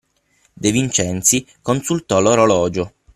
De Vincenzi consultò l’orologio.